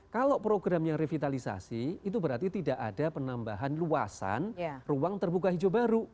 kalau program yang revitalisasi itu berarti tidak ada penambahan luasan ruang terbuka hijau baru